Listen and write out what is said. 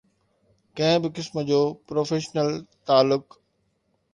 ڪنهن به قسم جو پروفيشنل تعلق